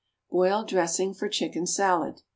=Boiled Dressing for Chicken Salad.